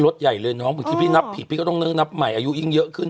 ใหญ่เลยน้องบางทีพี่นับผิดพี่ก็ต้องนับใหม่อายุยิ่งเยอะขึ้น